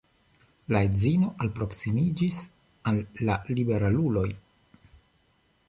La edzino alproksimiĝis al la liberaluloj.